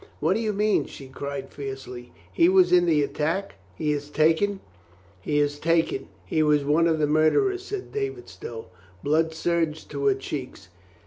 "What do you mean?" she cried fiercely. "He was in the attack? He is taken ?" "He is taken. He was of the murderers," said David Stow. Blood surged to her cheeks.